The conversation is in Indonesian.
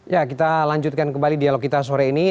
ya kita lanjutkan kembali dialog kita sore ini